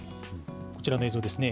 こちらの映像ですね。